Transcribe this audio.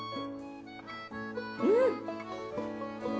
うん。